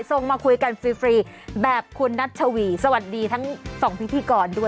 ส่งมาคุยกันฟรีแบบคุณนัชวีสวัสดีทั้งสองพิธีกรด้วย